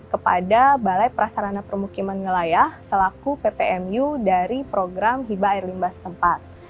kepada balai prasarana permukiman ngelayah selaku ppmu dari program hibah air limbas tempat